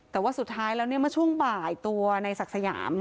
แต่ว่าสุดท้ายแล้วเมื่อช่วงบ่ายตัวในศักดิ์สยาม